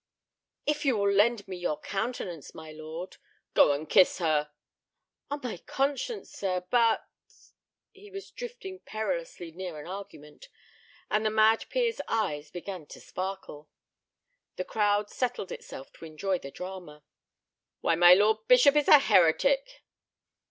"If you will lend me your countenance, my lord—" "Go and kiss her." "On my conscience, sir, but—" He was drifting perilously near an argument, and the mad peer's eyes began to sparkle. The crowd settled itself to enjoy the drama. "Why, my lord bishop is a heretic!"